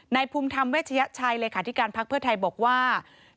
ในธรรมแวชชัยในภาคเพื่อไทยบอกว่า